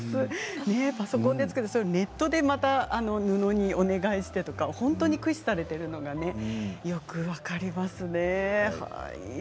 パソコンで作ってネットでまた布にお願いしてとか本当に駆使されているのがよく分かりますね。